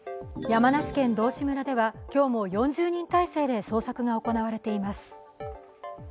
山梨県道志村では、今日も４０人態勢で捜索が行われています。